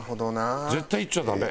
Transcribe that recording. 絶対言っちゃダメ。